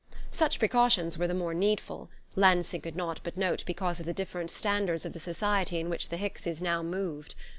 Such precautions were the more needful Lansing could not but note because of the different standards of the society in which the Hickses now moved.